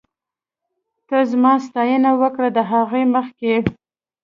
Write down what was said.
ته زما ستاينه وکړه ، د هغې مخکې